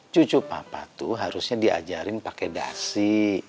cucu papa tuh harusnya diajarin pakai dasi